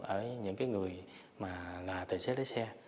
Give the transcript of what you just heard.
ở những cái người mà là tài xế lái xe